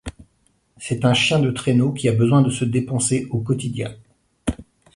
C'est un chien de traîneau qui a besoin de se dépenser au quotidien.